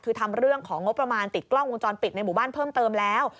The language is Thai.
คือทำเรื่องของงบประมาณติดกล้องวงจรปิดในหมู่บ้านเพิ่มเติมแล้ว